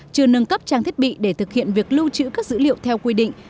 chưa nâng cấp trang thiết bị để thực hiện việc lưu trữ các dữ liệu theo quy định